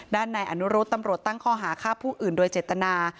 ในอนุรุษตำรวจตั้งข้อหาฆ่าผู้อื่นโดยเจตนา